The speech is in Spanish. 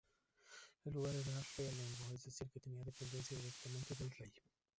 El lugar era realengo, es decir, que tenía dependencia directamente del rey.